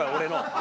何？